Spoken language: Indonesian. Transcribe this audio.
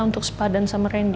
untuk sepadan sama randy